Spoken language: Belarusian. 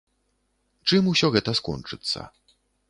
Чым усё гэта скончыцца.